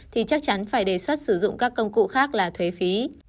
thì chắc chắn phải đề xuất sử dụng các công cụ khác là thuế phí